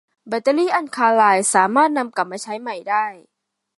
แบตเตอรี่อัลคาไลน์สามารถนำกลับมาใช้ใหม่ได้